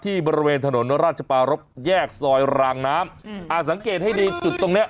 บริเวณถนนราชปารพแยกซอยรางน้ำอ่าสังเกตให้ดีจุดตรงเนี้ย